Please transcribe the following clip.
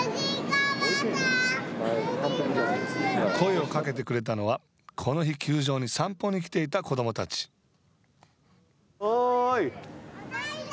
声をかけてくれたのはこの日、球場に散歩に来ていたおーい。